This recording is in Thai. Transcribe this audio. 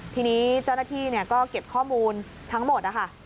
ทีนี้เจ้าหน้าที่ก็เก็บข้อมูลทั้งหมดนะคะ